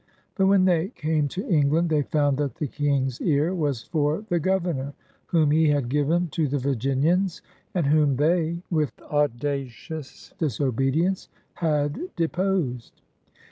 But when they came to England, they f oimd that the King's ear was for the Gover nor whom he had given to the Virginians and whom they, with audacious disobedience, had deposed.